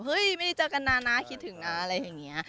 เฮ้ยไม่ได้เจอกันน่ะคิดถึงน่ะอะไรอย่างเงี้ย